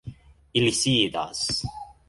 Ili sidas.